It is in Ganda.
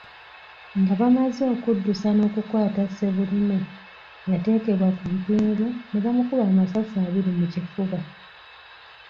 Nga bamaze okuddusa n'okukwata Ssebulime, yateekebwa ku mpingu ne bamukuba amasasi abiri mu kifuba